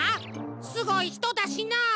すごいひとだしな。